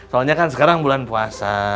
soalnya kan sekarang bulan puasa